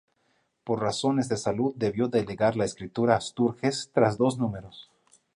Por razones de salud debió delegar la escritura a Sturges tras dos números.